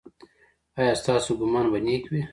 ایا ستاسو ګمان به نیک وي؟